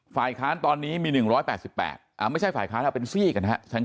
ฝ่ายค้านตอนนี้มี๑๘๘ไม่ใช่ฝ่ายค้านเป็นซี่กันนะครับ